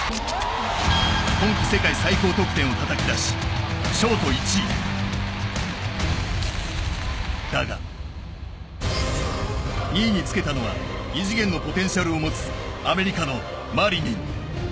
今季世界最高得点をたたき出しショート１位．だが２位につけたのは異次元のポテンシャルを持つアメリカのマリニン。